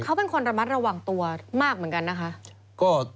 เขาเป็นคนระมัดระวังตัวมากเหมือนกันนะคะ